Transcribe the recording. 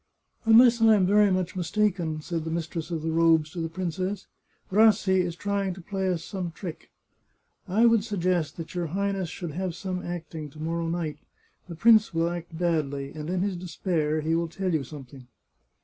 " Unless I am very much mistaken," said the mistress of the robes to the princess, " Rassi is trying to play us some trick. I would suggest that your Highness should have some acting to morrow night. The prince will act badly, and in his despair, he will tell you something."